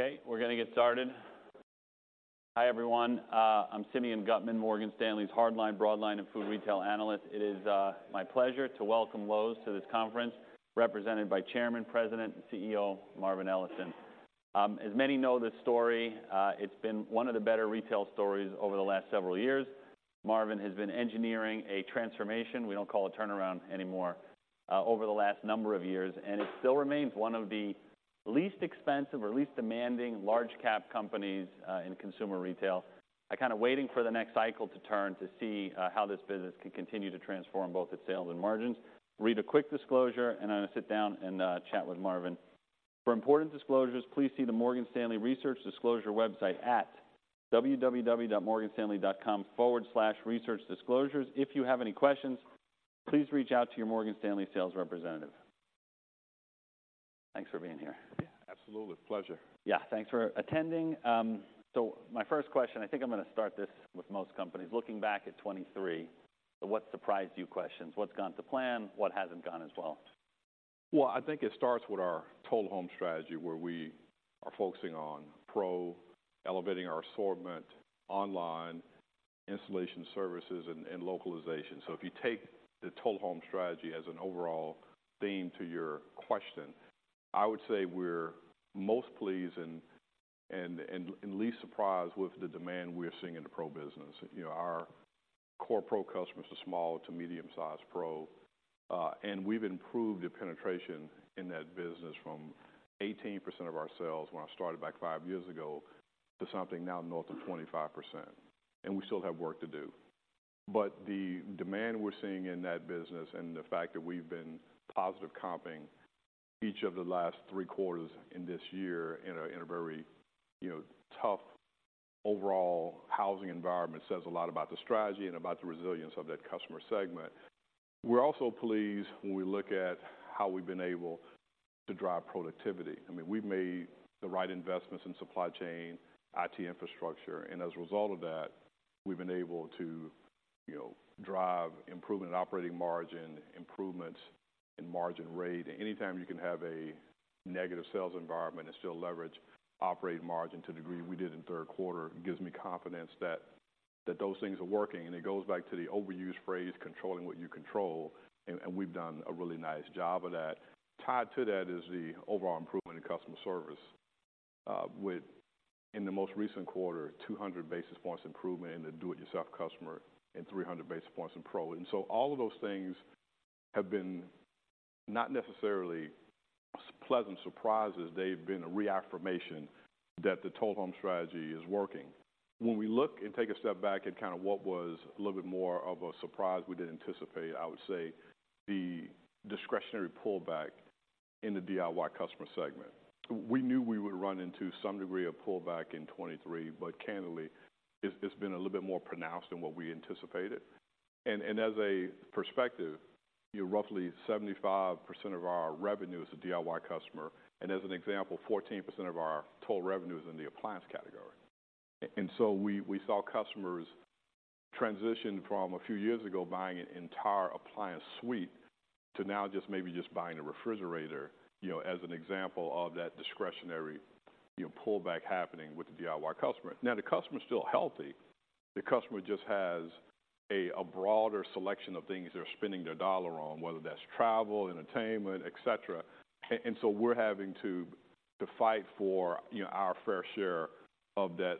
Okay, we're gonna get started. Hi, everyone. I'm Simeon Gutman, Morgan Stanley's hardline, broadline, and food retail analyst. It is my pleasure to welcome Lowe's to this conference, represented by Chairman, President, and CEO, Marvin Ellison. As many know the story, it's been one of the better retail stories over the last several years. Marvin has been engineering a transformation, we don't call it turnaround anymore, over the last number of years, and it still remains one of the least expensive or least demanding large-cap companies in consumer retail. I'm kind of waiting for the next cycle to turn to see how this business can continue to transform both its sales and margins. Read a quick disclosure, and I'm gonna sit down and chat with Marvin. For important disclosures, please see the Morgan Stanley Research Disclosures website at www.morganstanley.com/researchdisclosures. If you have any questions, please reach out to your Morgan Stanley sales representative. Thanks for being here. Yeah, absolutely. Pleasure. Yeah, thanks for attending. So my first question, I think I'm gonna start this with most companies: looking back at 2023, the what surprised you questions. What's gone to plan? What hasn't gone as well? Well, I think it starts with our Total Home Strategy, where we are focusing on Pro, elevating our assortment online, installation services, and localization. So if you take the Total Home Strategy as an overall theme to your question, I would say we're most pleased and least surprised with the demand we're seeing in the Pro business. You know, our core Pro customers are small-to-medium-sized Pro, and we've improved the penetration in that business from 18% of our sales when I started back five years ago, to something now north of 25%, and we still have work to do. But the demand we're seeing in that business and the fact that we've been positive-comping each of the last three quarters in this year in a very, you know, tough overall housing environment, says a lot about the strategy and about the resilience of that customer segment. We're also pleased when we look at how we've been able to drive productivity. I mean, we've made the right investments in supply chain, IT infrastructure, and as a result of that, we've been able to, you know, drive improvement in operating margin, improvements in margin rate. Anytime you can have a negative sales environment and still leverage operating margin to the degree we did in the third quarter, it gives me confidence that those things are working. It goes back to the overused phrase, "controlling what you control," and we've done a really nice job of that. Tied to that is the overall improvement in customer service with in the most recent quarter, 200 basis points improvement in the Do-It-Yourself customer and 300 basis points in Pro. And so all of those things have been, not necessarily pleasant surprises, they've been a reaffirmation that the Total Home Strategy is working. When we look and take a step back at kind of what was a little bit more of a surprise we didn't anticipate, I would say the discretionary pullback in the DIY customer segment. We knew we would run into some degree of pullback in 2023, but candidly, it's been a little bit more pronounced than what we anticipated. As a perspective, you know, roughly 75% of our revenue is a DIY customer, and as an example, 14% of our total revenue is in the appliance category. And so we saw customers transition from a few years ago buying an entire appliance suite, to now just maybe buying a refrigerator, you know, as an example of that discretionary, you know, pullback happening with the DIY customer. Now, the customer is still healthy. The customer just has a broader selection of things they're spending their dollar on, whether that's travel, entertainment, etc. And so we're having to fight for, you know, our fair share of that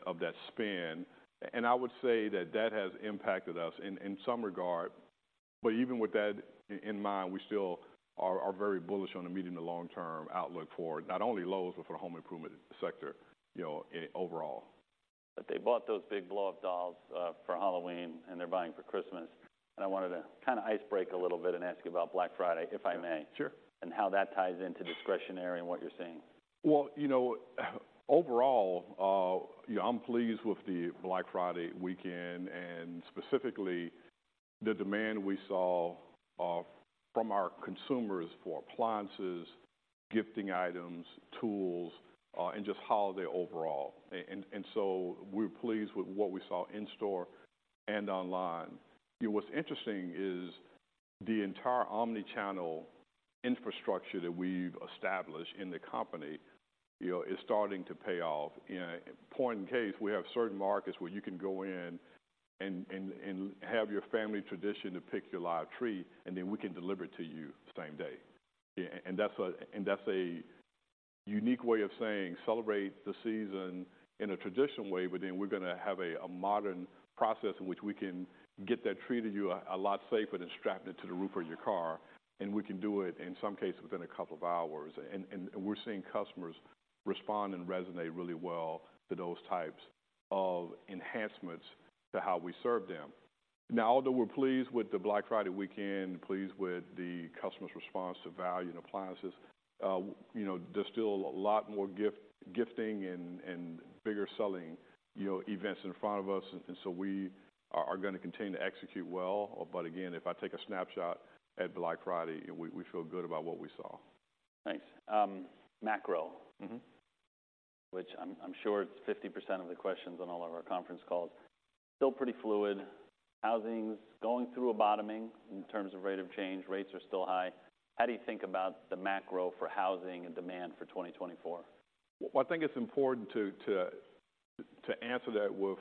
spend. I would say that has impacted us in some regard, but even with that in mind, we still are very bullish on the medium-to-long-term outlook for it, not only Lowe's, but for Home Improvement sector, you know, overall. But they bought those big blow-up dolls for Halloween, and they're buying for Christmas. I wanted to kind of icebreak a little bit and ask you about Black Friday, if I may? Sure. How that ties into discretionary and what you're seeing. Well, you know, overall, you know, I'm pleased with the Black Friday weekend and specifically the demand we saw from our consumers for appliances, gifting items, tools, and just holiday overall. And so we're pleased with what we saw in store and online. You know, what's interesting is the entire omni-channel infrastructure that we've established in the company, you know, is starting to pay off. Case in point, we have certain markets where you can go in and have your family tradition to pick your live tree, and then we can deliver it to you same day. Yeah, and that's a unique way of saying celebrate the season in a traditional way, but then we're gonna have a modern process in which we can get that tree to you a lot safer than strapping it to the roof of your car, and we can do it, in some cases, within a couple of hours. And we're seeing customers respond and resonate really well to those types of enhancements to how we serve them. Now, although we're pleased with the Black Friday weekend, pleased with the customer's response to value and appliances, you know, there's still a lot more gifting and bigger selling, you know, events in front of us, and so we are gonna continue to execute well. But again, if I take a snapshot at Black Friday, we feel good about what we saw. Nice. Macro. Mm-hmm. Which I'm sure it's 50% of the questions on all of our conference calls. Still pretty fluid. Housing's going through a bottoming in terms of rate of change. Rates are still high. How do you think about the macro for housing and demand for 2024? Well, I think it's important to answer that with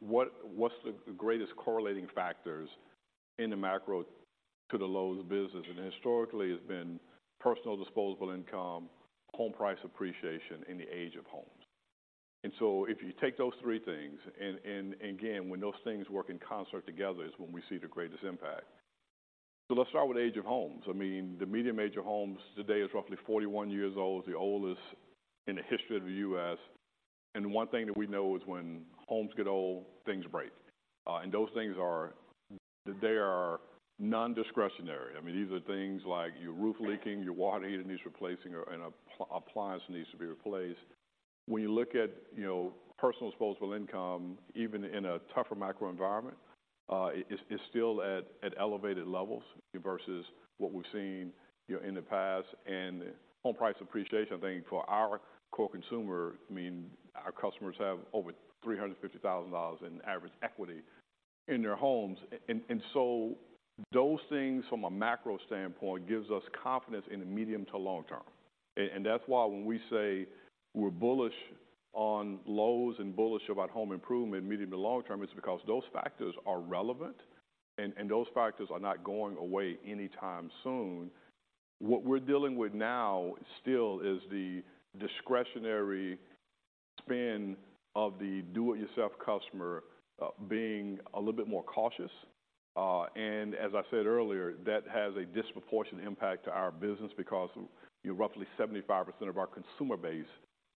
what's the greatest correlating factors in the macro to the Lowe's business? And historically, it's been personal disposable income, home price appreciation, and the age of homes. And so if you take those three things, and again, when those things work in concert together, is when we see the greatest impact. So let's start with age of homes. I mean, the median age of homes today is roughly 41 years old, the oldest in the history of the U.S. And one thing that we know is when homes get old, things break. And those things are they are non-discretionary. I mean, these are things like your roof leaking, your water heater needs replacing, or an appliance needs to be replaced. When you look at, you know, personal disposable income, even in a tougher macro environment, it is, it's still at, at elevated levels versus what we've seen, you know, in the past. And home price appreciation, I think for our core consumer, I mean, our customers have over $350,000 in average equity in their homes. And, and so those things, from a macro standpoint, gives us confidence in the medium-to-long term. And, and that's why when we say we're bullish on Lowe's and bullish Home Improvement in medium-to-long term, it's because those factors are relevant, and, and those factors are not going away anytime soon. What we're dealing with now still is the discretionary spend of the Do-It-Yourself customer, being a little bit more cautious. And as I said earlier, that has a disproportionate impact to our business because, you know, roughly 75% of our consumer base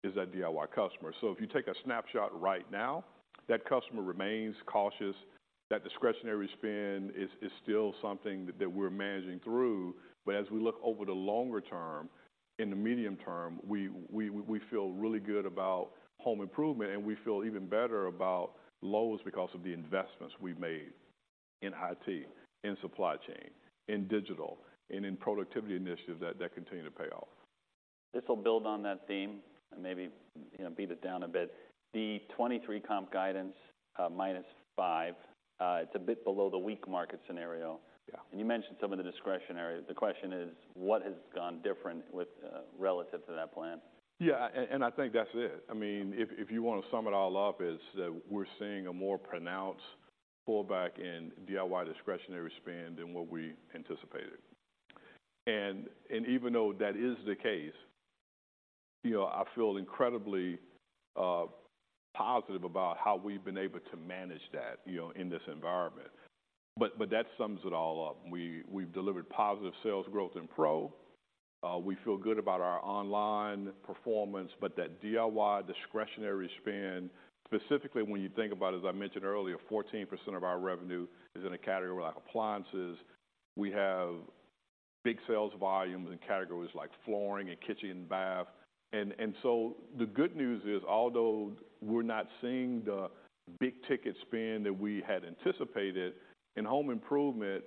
is that DIY customer. So if you take a snapshot right now, that customer remains cautious. That discretionary spend is still something that we're managing through. But as we look over the longer term, in the medium term, we feel really good Home Improvement, and we feel even better about Lowe's because of the investments we've made in IT, in supply chain, in digital, and in productivity initiatives that continue to pay off. This will build on that theme and maybe, you know, beat it down a bit. The 2023 comp guidance, -5%, it's a bit below the weak market scenario. Yeah. You mentioned some of the discretionary. The question is, what has gone different with relative to that plan? Yeah, and I think that's it. I mean, if you want to sum it all up, is that we're seeing a more pronounced pullback in DIY discretionary spend than what we anticipated. And even though that is the case, you know, I feel incredibly positive about how we've been able to manage that, you know, in this environment. But that sums it all up. We, we've delivered positive sales growth in Pro. We feel good about our online performance, but that DIY discretionary spend, specifically when you think about, as I mentioned earlier, 14% of our revenue is in a category like appliances. We have big sales volumes in categories like flooring and kitchen and bath. And so the good news is, although we're not seeing the big-ticket spend that we had anticipated, Home Improvement,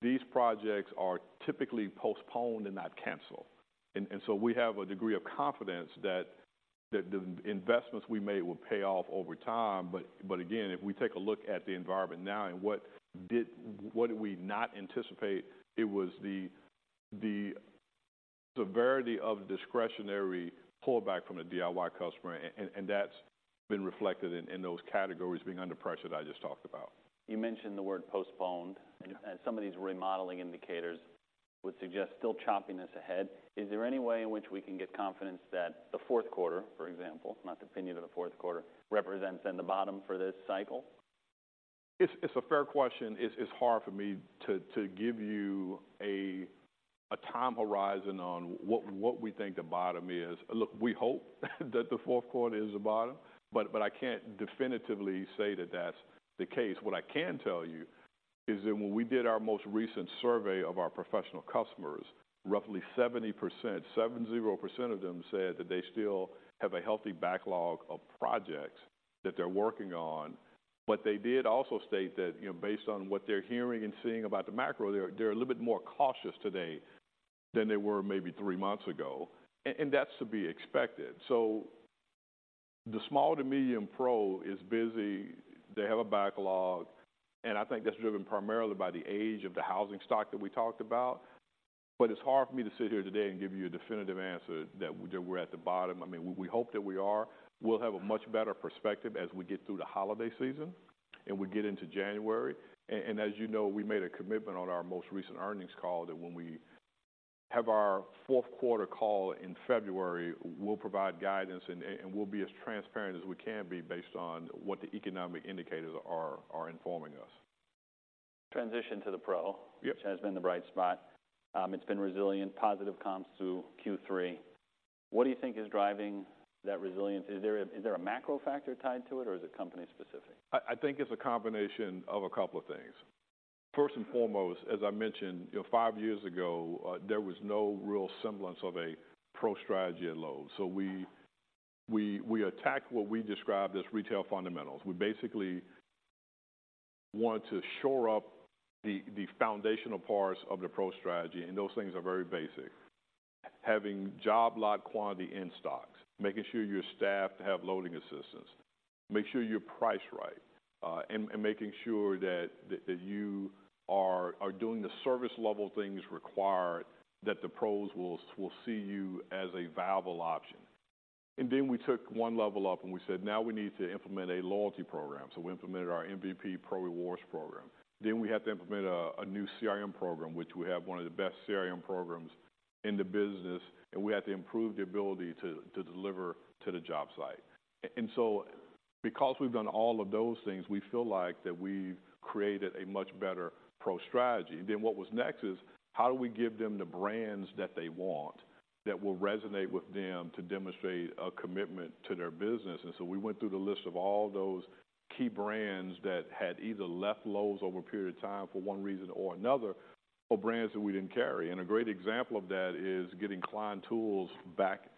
these projects are typically postponed and not canceled. And so we have a degree of confidence that the investments we made will pay off over time. But again, if we take a look at the environment now and what we did not anticipate, it was the severity of discretionary pullback from the DIY customer, and that's been reflected in those categories being under pressure that I just talked about. You mentioned the word postponed. Yeah. Some of these remodeling indicators would suggest still choppiness ahead. Is there any way in which we can get confidence that the fourth quarter, for example, not opinion of the fourth quarter, represents then the bottom for this cycle? It's a fair question. It's hard for me to give you a time horizon on what we think the bottom is. Look, we hope that the fourth quarter is the bottom, but I can't definitively say that that's the case. What I can tell you is that when we did our most recent survey of our Professional customers, roughly 70%, 70% of them said that they still have a healthy backlog of projects that they're working on. But they did also state that, you know, based on what they're hearing and seeing about the macro, they're a little bit more cautious today than they were maybe three months ago. And that's to be expected. So the small-to-medium Pro is busy. They have a backlog, and I think that's driven primarily by the age of the housing stock that we talked about. But it's hard for me to sit here today and give you a definitive answer that we're at the bottom. I mean, we hope that we are. We'll have a much better perspective as we get through the holiday season and we get into January. And as you know, we made a commitment on our most recent earnings call that when we have our fourth quarter call in February, we'll provide guidance and we'll be as transparent as we can be based on what the economic indicators are informing us. Transition to the Pro. Yep. Which has been the bright spot. It's been resilient, positive comps through Q3. What do you think is driving that resilience? Is there a macro factor tied to it, or is it company specific? I think it's a combination of a couple of things. First and foremost, as I mentioned, you know, five years ago, there was no real semblance of a Pro strategy at Lowe's. So we attacked what we described as retail fundamentals. We basically wanted to shore up the foundational parts of the Pro strategy, and those things are very basic... having job lot quantity in stocks, making sure you're staffed to have loading assistance, make sure you're priced right, and making sure that you are doing the service level things required, that the pros will see you as a viable option. And then we took one level up, and we said, "Now we need to implement a loyalty program." So we implemented our MVP Pro Rewards program. Then we had to implement a new CRM program, which we have one of the best CRM programs in the business, and we had to improve the ability to deliver to the job site. And so because we've done all of those things, we feel like that we've created a much better Pro strategy. Then what was next is: How do we give them the brands that they want, that will resonate with them to demonstrate a commitment to their business? And so we went through the list of all those key brands that had either left Lowe's over a period of time for one reason or another, or brands that we didn't carry. And a great example of that is getting Klein Tools back in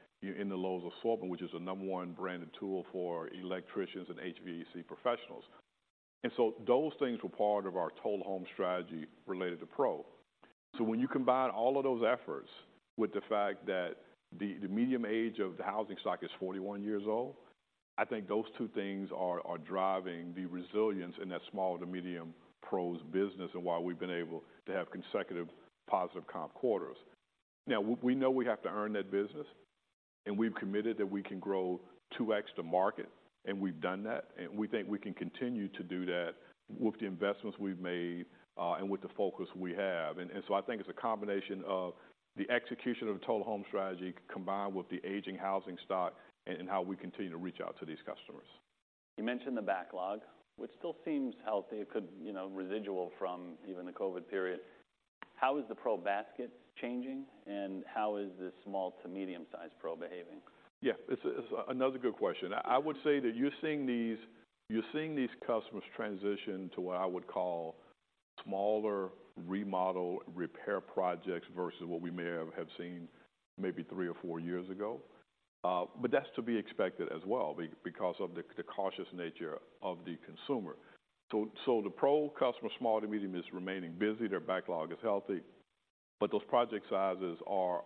the Lowe's assortment, which is the number one branded tool for electricians and HVAC professionals. And so those things were part of our Total Home Strategy related to Pro. So when you combine all of those efforts with the fact that the median age of the housing stock is 41 years old, I think those two things are driving the resilience in that small-to-medium Pros business and why we've been able to have consecutive positive comp quarters. Now, we know we have to earn that business, and we've committed that we can grow 2x to market, and we've done that, and we think we can continue to do that with the investments we've made, and with the focus we have. And so I think it's a combination of the execution of the Total Home Strategy, combined with the aging housing stock and how we continue to reach out to these customers. You mentioned the backlog, which still seems healthy. It could, you know, residual from even the COVID-period. How is the pro basket changing, and how is the small-to-medium-sized Pro behaving? Yeah, it's another good question. I would say that you're seeing these customers transition to what I would call smaller remodel repair projects versus what we may have seen maybe three or four years ago. But that's to be expected because of the cautious nature of the consumer. So the Pro customer, small-to-medium, is remaining busy, their backlog is healthy, but those project sizes are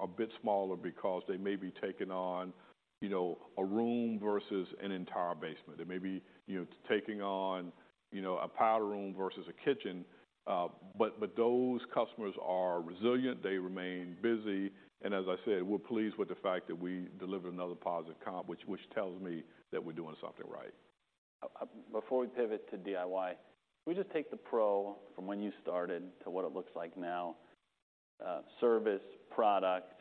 a bit smaller because they may be taking on, you know, a room versus an entire basement. They may be, you know, taking on, you know, a powder room versus a kitchen. But those customers are resilient, they remain busy, and as I said, we're pleased with the fact that we delivered another positive comp, which tells me that we're doing something right. Before we pivot to DIY, can we just take the pro from when you started to what it looks like now, service, product,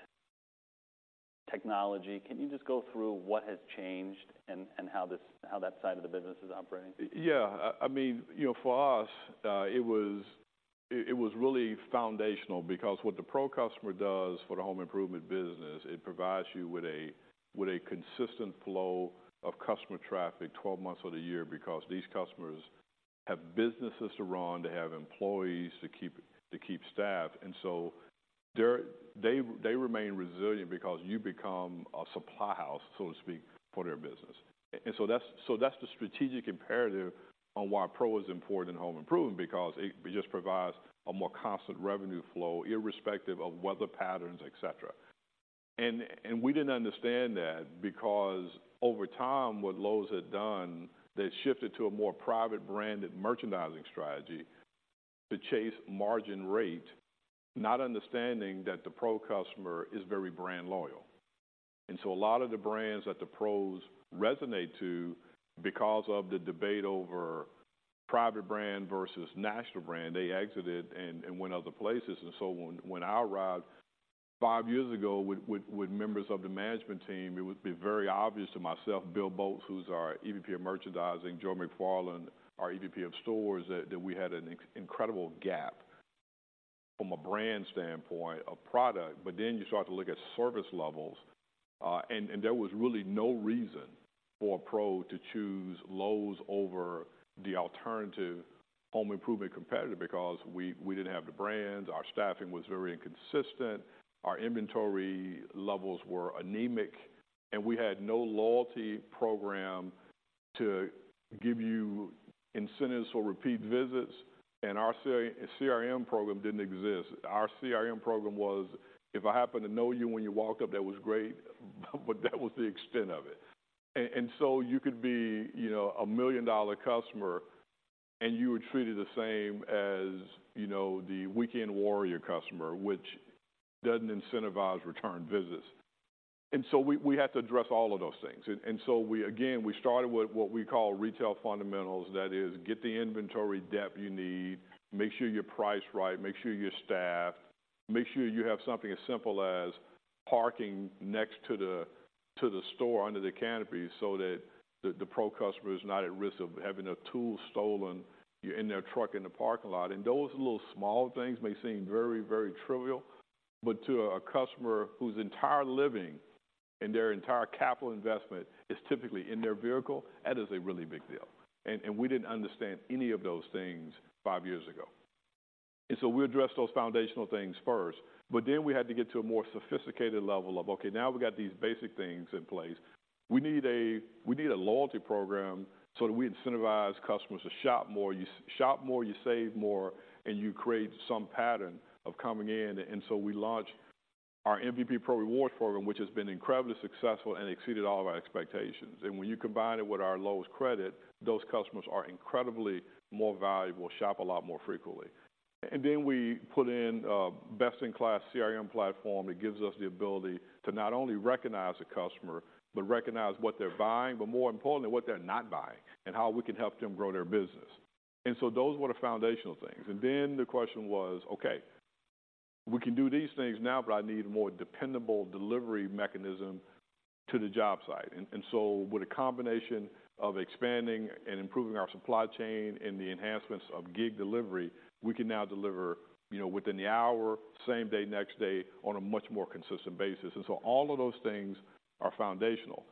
technology? Can you just go through what has changed and how that side of the business is operating? Yeah. I mean, you know, for us, it was really foundational because what the Pro customer does for Home Improvement business, it provides you with a consistent flow of customer traffic 12 months of the year, because these customers have businesses to run, they have employees to keep staffed. And so they remain resilient because you become a supply house, so to speak, for their business. And so that's the strategic imperative on why Pro is important to Home Improvement, because it just provides a more constant revenue flow, irrespective of weather patterns, etc. And we didn't understand that because over time, what Lowe's had done, they shifted to a more private-branded merchandising strategy to chase margin rate, not understanding that the Pro customer is very brand-loyal. So a lot of the brands that the Pros resonate to, because of the debate over private brand versus national brand, they exited and went other places. So when I arrived five years ago with members of the management team, it would be very obvious to myself, Bill Boltz, who's our EVP of Merchandising, Joe McFarland, our EVP of Stores, that we had an incredible gap from a brand standpoint of product. But then you start to look at service-levels, and there was really no reason for a Pro to choose Lowe's over the alternative Home Improvement competitor because we didn't have the brands, our staffing was very inconsistent, our inventory levels were anemic, and we had no loyalty program to give you incentives for repeat visits, and our CRM program didn't exist. Our CRM program was, if I happened to know you when you walked up, that was great, but that was the extent of it. And so you could be, you know, a million-dollar customer, and you were treated the same as, you know, the weekend warrior customer, which doesn't incentivize return visits. So we had to address all of those things. And so we again started with what we call retail fundamentals. That is, get the inventory depth you need, make sure you're priced right, make sure you're staffed, make sure you have something as simple as parking next to the store under the canopy, so that the Pro customer is not at risk of having a tool stolen in their truck in the parking lot. Those little small things may seem very, very trivial, but to a customer whose entire living and their entire capital investment is typically in their vehicle, that is a really big deal. And, and we didn't understand any of those things five years ago. And so we addressed those foundational things first, but then we had to get to a more sophisticated level of, "Okay, now we've got these basic things in place."... We need a, we need a loyalty program so that we incentivize customers to shop more. You shop more, you save more, and you create some pattern of coming in. And so we launched our MVP Pro Rewards program, which has been incredibly successful and exceeded all of our expectations. And when you combine it with our Lowe's credit, those customers are incredibly more valuable, shop a lot more frequently. And then we put in a best-in-class CRM platform that gives us the ability to not only recognize the customer, but recognize what they're buying, but more importantly, what they're not buying, and how we can help them grow their business. And so those were the foundational things. And then the question was, okay, we can do these things now, but I need a more dependable delivery mechanism to the job site. And so with a combination of expanding and improving our supply chain and the enhancements of gig delivery, we can now deliver, you know, within the hour, same day, next day, on a much more consistent basis. And so all of those things are foundational.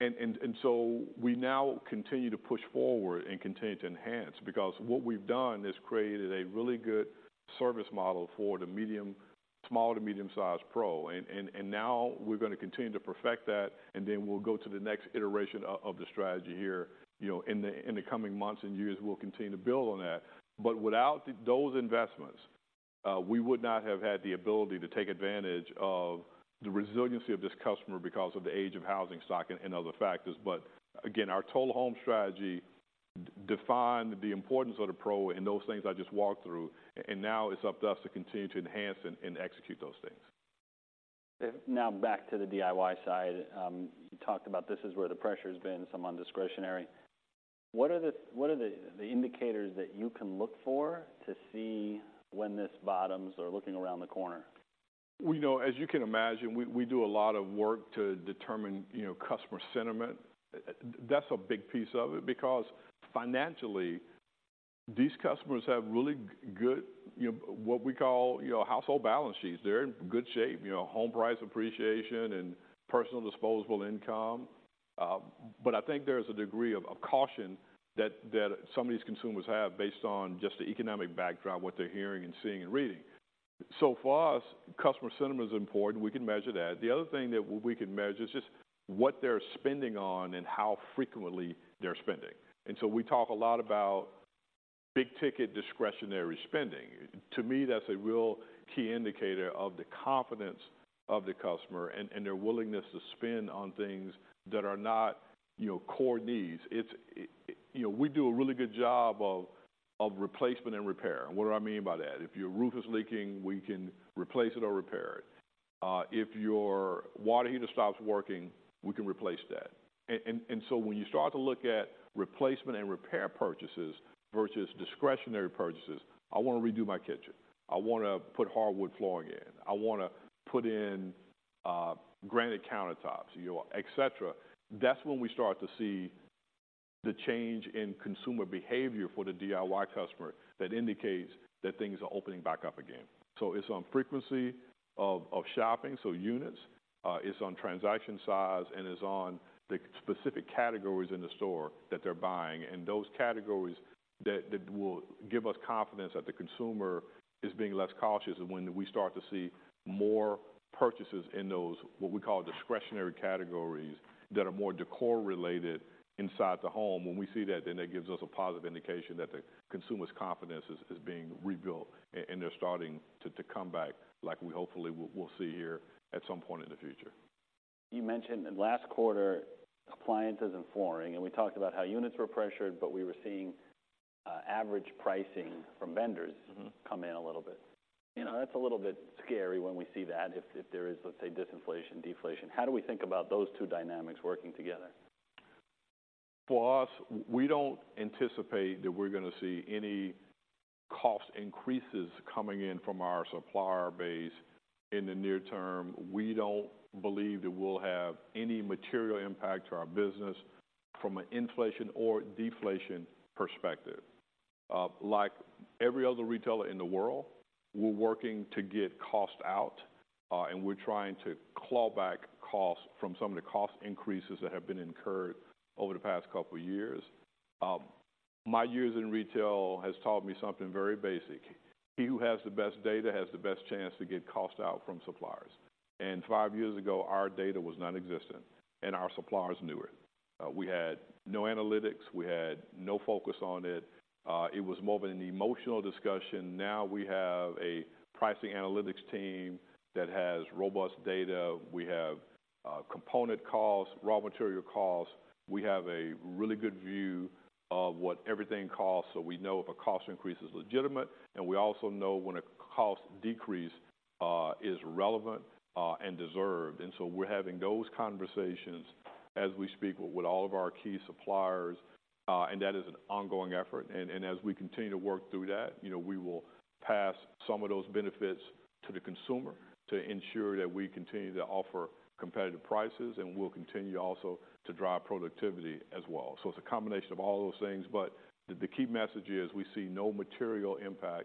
And so we now continue to push forward and continue to enhance, because what we've done is created a really good service model for the small-to-medium-sized Pro. And now we're gonna continue to perfect that, and then we'll go to the next iteration of the strategy here. You know, in the coming months and years, we'll continue to build on that. But without those investments, we would not have had the ability to take advantage of the resiliency of this customer because of the age of housing stock and other factors. But again, our Total Home Strategy defined the importance of the Pro and those things I just walked through, and now it's up to us to continue to enhance and execute those things. Now, back to the DIY side. You talked about this is where the pressure's been, some on discretionary. What are the indicators that you can look for to see when this bottoms or looking around the corner? Well, you know, as you can imagine, we do a lot of work to determine, you know, customer sentiment. That's a big piece of it, because financially, these customers have really good, you know, what we call, you know, household balance sheets. They're in good shape, you know, home price appreciation and personal disposable income. But I think there is a degree of caution that some of these consumers have based on just the economic backdrop, what they're hearing and seeing and reading. So for us, customer sentiment is important. We can measure that. The other thing that we can measure is just what they're spending on and how frequently they're spending. And so we talk a lot about big-ticket discretionary spending. To me, that's a real key indicator of the confidence of the customer and their willingness to spend on things that are not, you know, core needs. It's... You know, we do a really good job of replacement and repair. And what do I mean by that? If your roof is leaking, we can replace it or repair it. If your water heater stops working, we can replace that. And so when you start to look at replacement and repair purchases versus discretionary purchases, I wanna redo my kitchen. I wanna put hardwood flooring in. I wanna put in granite countertops, you know, etc. That's when we start to see the change in consumer behavior for the DIY customer that indicates that things are opening back up again. So it's on frequency of shopping, so units, it's on transaction size, and it's on the specific categories in the store that they're buying. And those categories that will give us confidence that the consumer is being less cautious is when we start to see more purchases in those, what we call discretionary categories, that are more decor-related inside the home. When we see that, then that gives us a positive indication that the consumer's confidence is being rebuilt, and they're starting to come back, like we hopefully we'll see here at some point in the future. You mentioned last quarter, appliances and flooring, and we talked about how units were pressured, but we were seeing average pricing from vendors. Mm-hmm. Come in a little bit. You know, that's a little bit scary when we see that, if, if there is, let's say, disinflation, deflation. How do we think about those two dynamics working together? For us, we don't anticipate that we're gonna see any cost increases coming in from our supplier base in the near-term. We don't believe that we'll have any material impact to our business from an inflation or deflation perspective. Like every other retailer in the world, we're working to get cost out, and we're trying to claw back costs from some of the cost increases that have been incurred over the past couple of years. My years in retail has taught me something very basic: He who has the best data, has the best chance to get cost out from suppliers. And five years ago, our data was nonexistent, and our suppliers knew it. We had no analytics, we had no focus on it, it was more of an emotional discussion. Now, we have a pricing analytics team that has robust data. We have component costs, raw material costs. We have a really good view of what everything costs, so we know if a cost increase is legitimate, and we also know when a cost decrease is relevant and deserved. And so we're having those conversations as we speak with all of our key suppliers, and that is an ongoing effort. And as we continue to work through that, you know, we will pass some of those benefits to the consumer to ensure that we continue to offer competitive prices, and we'll continue also to drive productivity as well. So it's a combination of all those things, but the key message is we see no material impact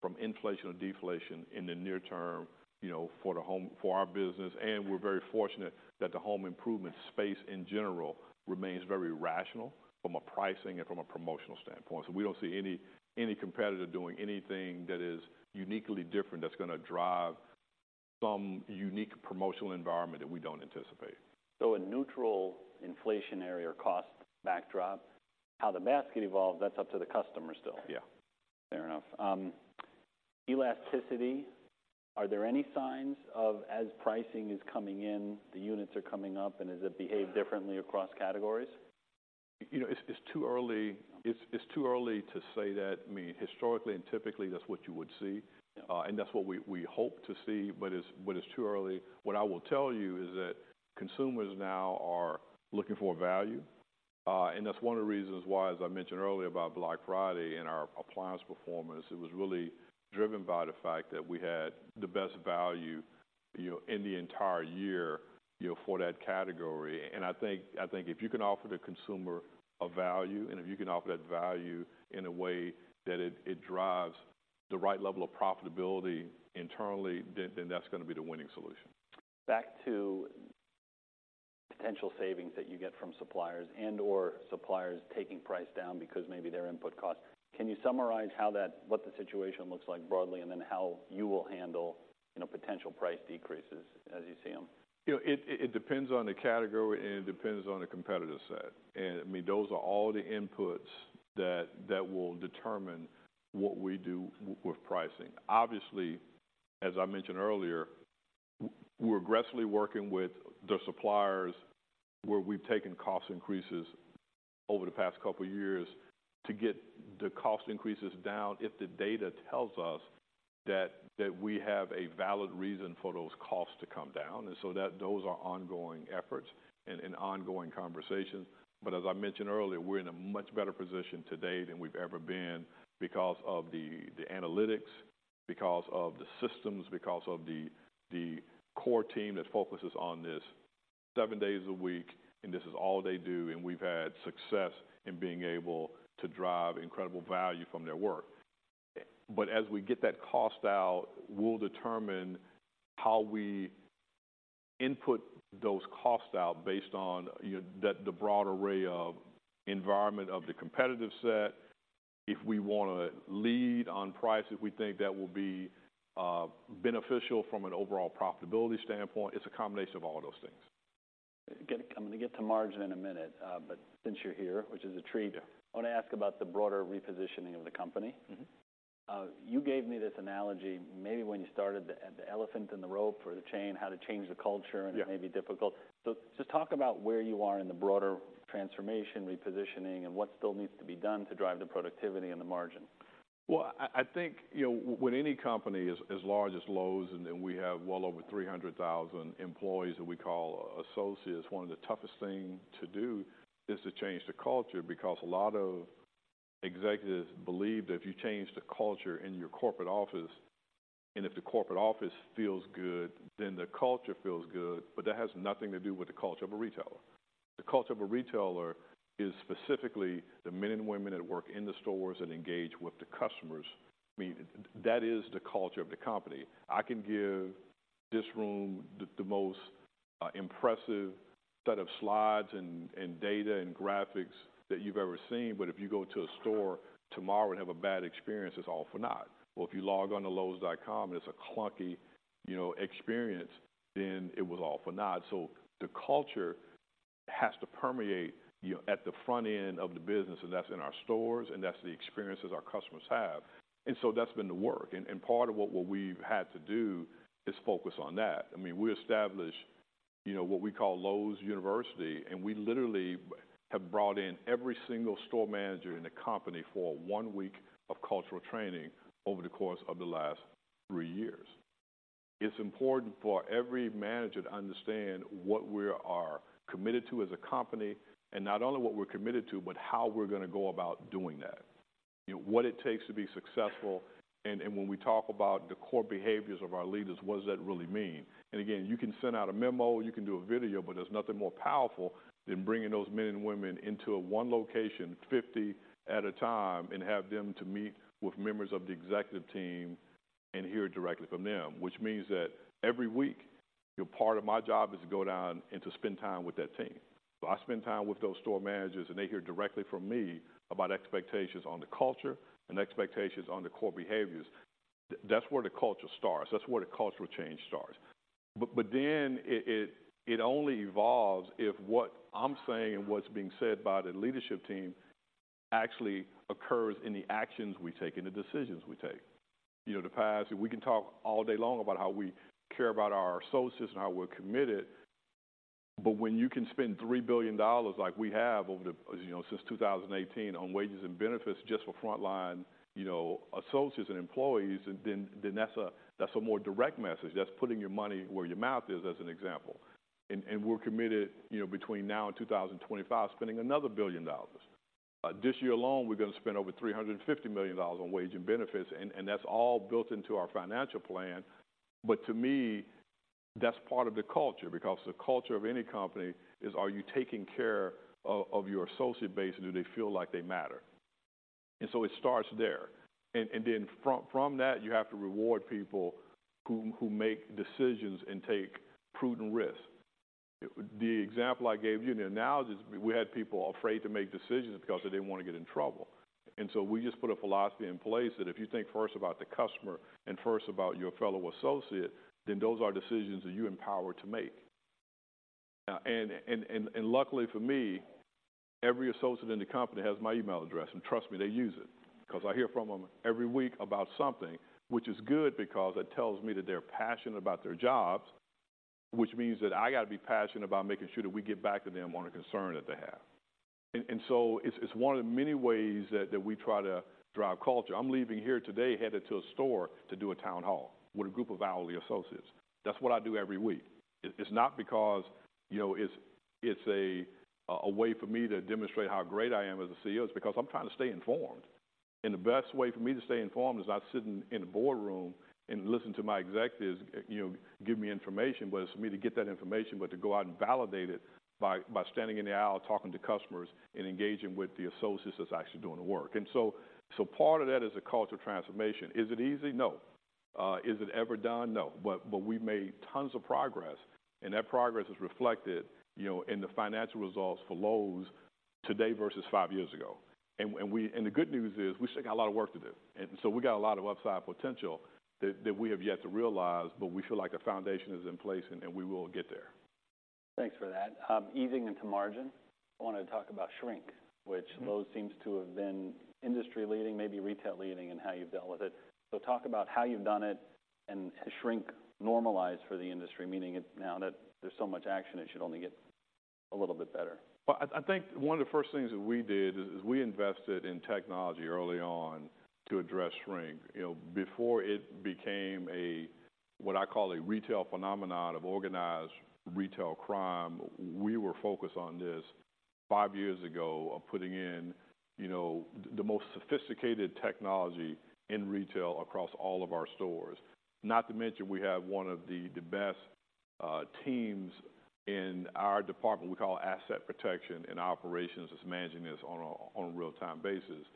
from inflation or deflation in the near-term, you know, for our business. We're very fortunate that Home Improvement space, in general, remains very rational from a pricing and from a promotional standpoint. We don't see any competitor doing anything that is uniquely different, that's gonna drive some unique promotional environment that we don't anticipate. A neutral inflationary or cost backdrop, how the basket evolves, that's up to the customer still? Yeah. Fair enough. Elasticity, are there any signs of, as pricing is coming in, the units are coming up, and does it behave differently across categories? You know, it's too early to say that. I mean, historically and typically that's what you would see, and that's what we hope to see, but it's too early. What I will tell you is that consumers now are looking for value, and that's one of the reasons why, as I mentioned earlier about Black Friday and our appliance performance, it was really driven by the fact that we had the best value, you know, in the entire year, you know, for that category. And I think if you can offer the consumer a value, and if you can offer that value in a way that it drives the right level of profitability internally, then that's gonna be the winning solution. Back to potential savings that you get from suppliers and/or suppliers taking price down because maybe their input cost. Can you summarize what the situation looks like broadly, and then how you will handle, you know, potential price decreases as you see them? You know, it depends on the category, and it depends on the competitive set. I mean, those are all the inputs that will determine what we do with pricing. Obviously, as I mentioned earlier, we're aggressively working with the suppliers where we've taken cost increases over the past couple of years to get the cost increases down if the data tells us that we have a valid reason for those costs to come down, and so those are ongoing efforts and ongoing conversations. But as I mentioned earlier, we're in a much better position today than we've ever been because of the analytics, because of the systems, because of the core team that focuses on this seven days a week, and this is all they do, and we've had success in being able to drive incredible value from their work. But as we get that cost out, we'll determine how we input those costs out based on, you know, the broad array of environment of the competitive set. If we wanna lead on price, if we think that will be beneficial from an overall profitability standpoint, it's a combination of all those things. Get it, I'm gonna get to margin in a minute, but since you're here, which is a treat. Yeah. I want to ask about the broader repositioning of the company. Mm-hmm. You gave me this analogy, maybe when you started, the elephant and the rope or the chain, how to change the culture. Yeah. It may be difficult. So just talk about where you are in the broader transformation, repositioning, and what still needs to be done to drive the productivity and the margin. Well, I think, you know, when any company as large as Lowe's, and then we have well over 300,000 employees that we call associates, one of the toughest thing to do is to change the culture, because a lot of executives believe that if you change the culture in your corporate office, and if the corporate office feels good, then the culture feels good. But that has nothing to do with the culture of a retailer. The culture of a retailer is specifically the men and women that work in the stores and engage with the customers. I mean, that is the culture of the company. I can give this room the most impressive set of slides and data, and graphics that you've ever seen, but if you go to a store tomorrow and have a bad experience, it's all for naught. Or if you log on to lowes.com, and it's a clunky, you know, experience, then it was all for naught. So the culture has to permeate, you know, at the front-end of the business, and that's in our stores, and that's the experiences our customers have. And so that's been the work. And, and part of what, what we've had to do is focus on that. I mean, we established, you know, what we call Lowe's University, and we literally have brought in every single store manager in the company for one week of cultural training over the course of the last three years. It's important for every manager to understand what we are committed to as a company, and not only what we're committed to, but how we're gonna go about doing that. You know, what it takes to be successful, and when we talk about the core behaviors of our leaders, what does that really mean? And again, you can send out a memo, you can do a video, but there's nothing more powerful than bringing those men and women into one location, 50 at a time, and have them to meet with members of the executive team and hear directly from them. Which means that every week, part of my job is to go down and to spend time with that team. So I spend time with those store managers, and they hear directly from me about expectations on the culture and expectations on the core behaviors. That's where the culture starts. That's where the cultural change starts. But then it only evolves if what I'm saying and what's being said by the leadership team actually occurs in the actions we take and the decisions we take. You know, the past... We can talk all day long about how we care about our associates and how we're committed, but when you can spend $3 billion like we have over, you know, since 2018 on wages and benefits just for frontline, you know, associates and employees, then, then that's a, that's a more direct message. That's putting your money where your mouth is, as an example. And, and we're committed, you know, between now and 2025, spending another $1 billion. This year alone, we're gonna spend over $350 million on wage and benefits, and, and that's all built into our financial plan. But to me, that's part of the culture, because the culture of any company is, are you taking care of your associate base, and do they feel like they matter? And so it starts there. And then from that, you have to reward people who make decisions and take prudent risks.... The example I gave you, the analogy is we had people afraid to make decisions because they didn't want to get in trouble. And so we just put a philosophy in place that if you think first about the customer and first about your fellow associate, then those are decisions that you're empowered to make. And luckily for me, every associate in the company has my email address, and trust me, they use it. 'Cause I hear from them every week about something, which is good because it tells me that they're passionate about their jobs, which means that I got to be passionate about making sure that we get back to them on a concern that they have. And so it's one of the many ways that we try to drive culture. I'm leaving here today, headed to a store to do a town hall with a group of hourly associates. That's what I do every week. It's not because, you know, it's a way for me to demonstrate how great I am as a CEO. It's because I'm trying to stay informed. And the best way for me to stay informed is not sitting in a boardroom and listening to my executives, you know, give me information, but it's for me to get that information, but to go out and validate it by standing in the aisle, talking to customers and engaging with the associates that's actually doing the work. So part of that is a culture transformation. Is it easy? No. Is it ever done? No. But we've made tons of progress, and that progress is reflected, you know, in the financial results for Lowe's today versus five years ago. And the good news is, we still got a lot of work to do. And so we got a lot of upside potential that, that we have yet to realize, but we feel like the foundation is in place, and, and we will get there. Thanks for that. Easing into margin, I wanted to talk about shrink, which. Mm-hmm. Lowe's seems to have been industry-leading, maybe retail-leading, in how you've dealt with it. So talk about how you've done it, and has shrink normalized for the industry, meaning it now that there's so much action, it should only get a little bit better? Well, I think one of the first things that we did is we invested in technology early on to address shrink. You know, before it became a, what I call a retail phenomenon of organized retail crime, we were focused on this five years ago, of putting in, you know, the most sophisticated technology in retail across all of our stores. Not to mention, we have one of the best teams in our department, we call Asset Protection in Operations, that's managing this on a real-time basis.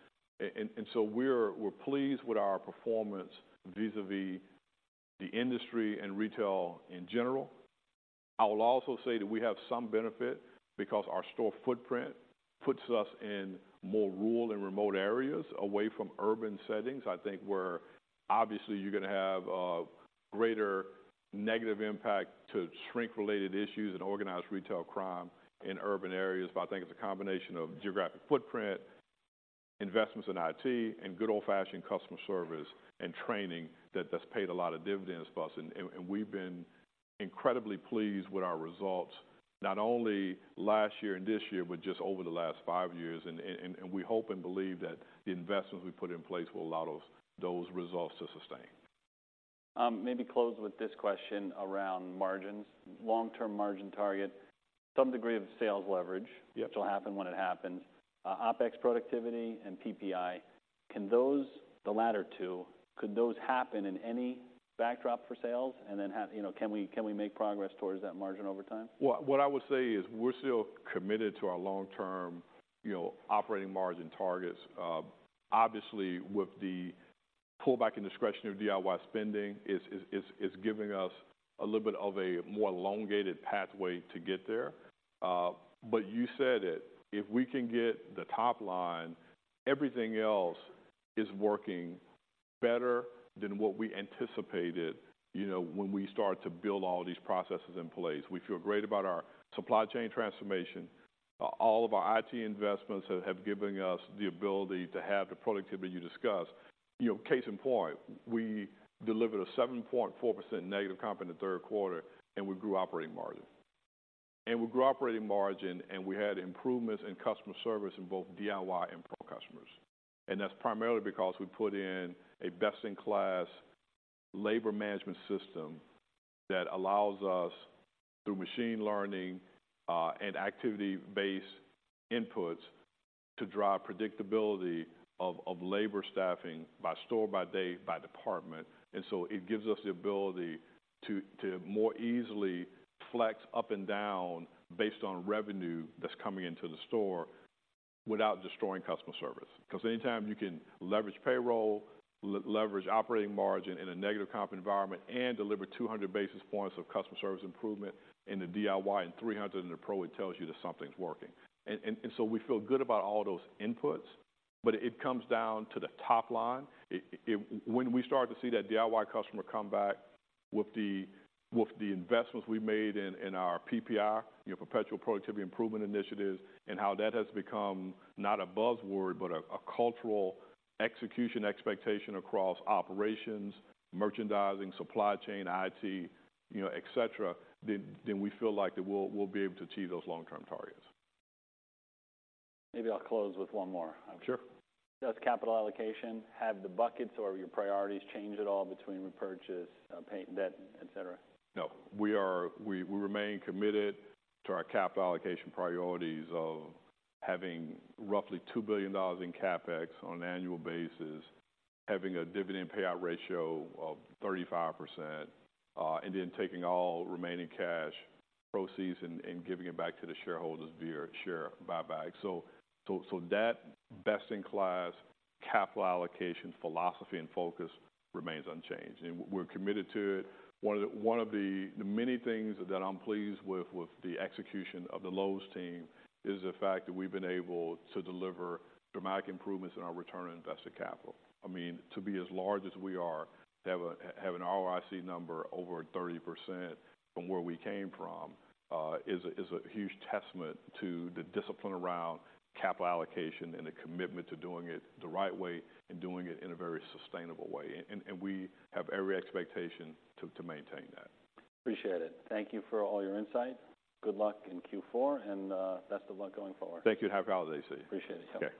And so we're pleased with our performance vis-a-vis the industry and retail in general. I will also say that we have some benefit because our store footprint puts us in more rural and remote areas, away from urban settings. I think where obviously you're gonna have a greater negative impact to shrink-related issues and organized retail crime in urban areas. But I think it's a combination of geographic footprint, investments in IT, and good old-fashioned customer service and training that has paid a lot of dividends for us. And we've been incredibly pleased with our results, not only last year and this year, but just over the last five years. And we hope and believe that the investments we've put in place will allow those, those results to sustain. Maybe close with this question around margins. Long-term margin target, some degree of sales leverage. Yep. Which will happen when it happens. OpEx productivity and PPI, can those, the latter two, could those happen in any backdrop for sales? And then have... You know, can we, can we make progress towards that margin over time? Well, what I would say is, we're still committed to our long-term, you know, operating margin targets. Obviously, with the pullback in discretionary DIY spending, it's giving us a little bit of a more elongated pathway to get there. But you said it, if we can get the top line, everything else is working better than what we anticipated, you know, when we started to build all these processes in place. We feel great about our supply chain transformation. All of our IT investments have given us the ability to have the productivity you discussed. You know, case in point, we delivered a 7.4% negative comp in the third quarter, and we grew operating margin, and we had improvements in customer service in both DIY and Pro customers. And that's primarily because we put in a best-in-class labor management system that allows us, through machine learning and activity-based inputs, to drive predictability of labor staffing by store, by day, by department. And so it gives us the ability to more easily flex up and down based on revenue that's coming into the store without destroying customer service. Because anytime you can leverage payroll, leverage operating margin in a negative comp environment and deliver 200 basis points of customer service improvement in the DIY and 300 in the Pro, it tells you that something's working. And so we feel good about all those inputs, but it comes down to the top-line. When we start to see that DIY customer come back with the investments we made in our PPI, you know, Perpetual Productivity Improvement initiatives, and how that has become not a buzzword, but a cultural execution expectation across operations, merchandising, supply chain, IT, you know, etc., then we feel like that we'll be able to achieve those long-term targets. Maybe I'll close with one more. Sure. Does capital allocation have the buckets or your priorities change at all between repurchase, paying debt, etc.? No. We remain committed to our capital allocation priorities of having roughly $2 billion in CapEx on an annual basis, having a dividend payout ratio of 35%, and then taking all remaining cash proceeds and giving it back to the shareholders via share buyback. So that best-in-class capital allocation philosophy and focus remains unchanged, and we're committed to it. One of the many things that I'm pleased with, with the execution of the Lowe's team, is the fact that we've been able to deliver dramatic improvements in our return on invested capital. I mean, to be as large as we are, to have an ROIC number over 30% from where we came from, is a huge testament to the discipline around capital allocation and the commitment to doing it the right way and doing it in a very sustainable way. And we have every expectation to maintain that. Appreciate it. Thank you for all your insight. Good luck in Q4, and best of luck going forward. Thank you, and happy holidays to you. Appreciate it. Okay.